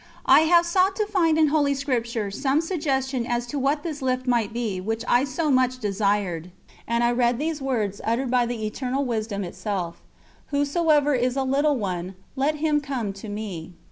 I have sought to find in Holy Scripture some suggestion as to what this lift might be which I so much desired, and I read these words uttered by the Eternal Wisdom Itself: "Whosoever is a little one, let him come to Me."